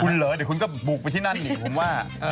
คุณเหรอเดี๋ยวคุณก็บุกไปที่นั่นดิผมว่า